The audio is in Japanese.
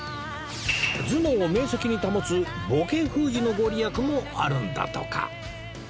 頭脳を明晰に保つボケ封じのご利益もあるんだとか